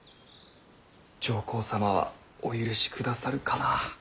上皇様はお許しくださるかな。